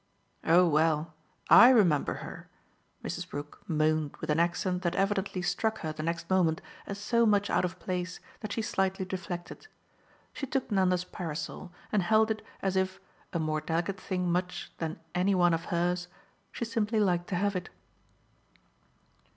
"Oh well, I remember her!" Mrs. Brook moaned with an accent that evidently struck her the next moment as so much out of place that she slightly deflected. She took Nanda's parasol and held it as if a more delicate thing much than any one of hers she simply liked to have it.